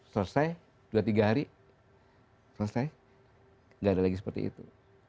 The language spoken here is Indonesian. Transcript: selesai dua tiga hari selesai tidak ada lagi seperti itu